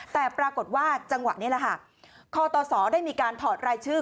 แต่ปรากฏว่าจังหวะนี้คตศได้มีการถอดรายชื่อ